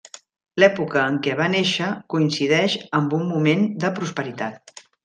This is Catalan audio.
L'època en què va néixer coincideix amb un moment de prosperitat.